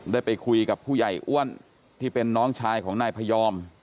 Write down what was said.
ได้ไปคุยกับผู้ใหญ่อ้วนที่เป็นน้องชายของนายพยอม